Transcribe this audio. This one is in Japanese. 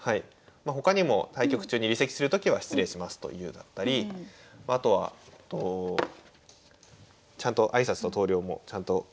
まあ他にも対局中に離席するときは「失礼します」と言うだったりあとはちゃんと挨拶と投了もちゃんと声を出して言うだったり。